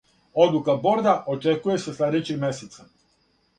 Одлука борда очекује се следећег месеца.